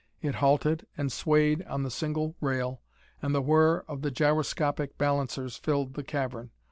It halted and swayed on the single rail, and the whir of the gyroscopic balancers filled the cavern.